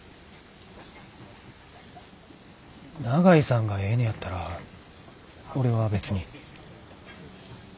長井さんがええねやったら俺は別に。